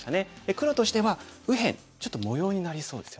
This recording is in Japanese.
黒としては右辺ちょっと模様になりそうですよね。